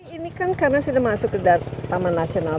ini kan karena sudah masuk ke taman nasional